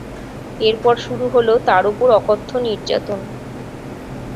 এরপর শুরু হলো তার ওপর অকথ্য নির্যাতন।